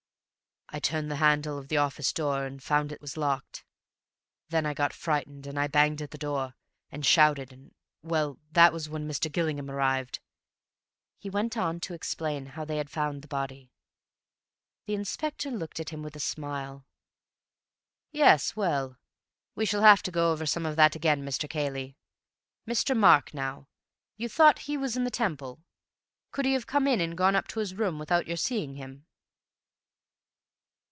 I turned the handle of the door and found it was locked. Then I got frightened, and I banged at the door, and shouted, and—well, that was when Mr. Gillingham arrived." He went on to explain how they had found the body. The inspector looked at him with a smile. "Yes, well, we shall have to go over some of that again, Mr. Cayley. Mr. Mark, now. You thought he was in the Temple. Could he have come in, and gone up to his room, without your seeing him?"